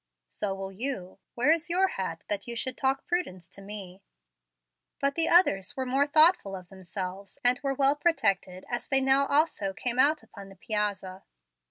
"So will you. Where is your hat, that you should talk prudence to me?" But the others were more thoughtful of themselves, and were well protected as they now also came out upon the piazza.